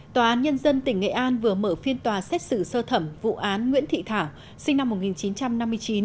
tòa án nhân dân tỉnh nghệ an vừa mở phiên tòa xét xử sơ thẩm vụ án nguyễn thị thảo sinh năm một nghìn chín trăm năm mươi chín